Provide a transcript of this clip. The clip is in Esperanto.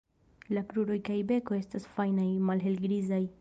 La kruroj kaj beko estas fajnaj, malhelgrizaj.